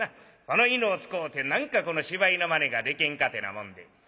「この犬を使うて何か芝居のまねがでけんか」ってなもんで。